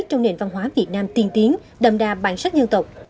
trong nền văn hóa việt nam tiên tiến đầm đà bản sắc nhân tộc